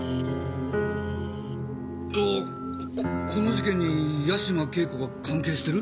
ここの事件に八島景子が関係してる？